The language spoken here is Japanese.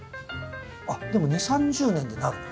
あっでも２０３０年でなるの？